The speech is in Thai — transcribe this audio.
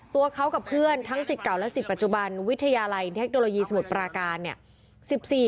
ตัวเขากับเพื่อนทั้งสิทธิ์เก่าและสิทธิปัจจุบันวิทยาลัยเทคโนโลยีสมุทรปราการเนี่ย